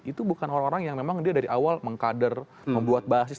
itu bukan orang orang yang memang dia dari awal mengkader membuat basis